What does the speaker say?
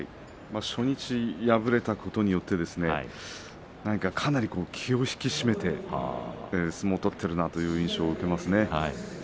初日敗れたことによってかなり気を引き締めて相撲を取っているなという印象を受けますね。